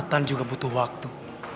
nathan juga butuh waktu